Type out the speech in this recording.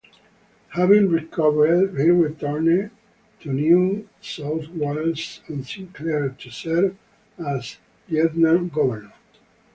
Having recovered, he returned to New South Wales on "Sinclair" to serve as Lieutenant-Governor.